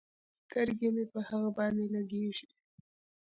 سترګې مې په هغه باندې لګېږي.